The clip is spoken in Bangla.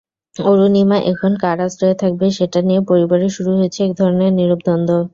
অরুণিমা এখন কার আশ্রয়ে থাকবে, সেটা নিয়ে পরিবারে শুরু হয়েছে একধরনের নীরব দ্বন্দ্ব।